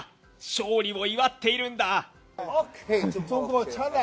勝利を祝っているんだ。